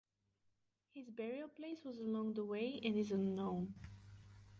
His burial place was along the way and is unknown.